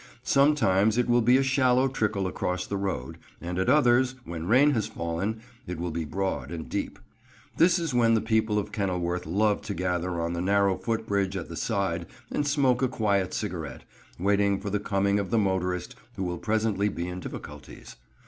Sometimes it will be a shallow trickle across the road, and at others, when rain has fallen, it will be broad and deep. This is when the people of Kenilworth love to gather on the narrow footbridge at the side and smoke a quiet cigarette, waiting for the coming of the motorist who will presently be in difficulties.